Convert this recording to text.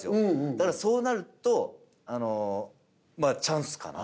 だからそうなるとチャンスかなと。